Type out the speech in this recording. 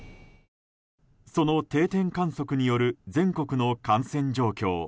その定点観測による全国の感染状況。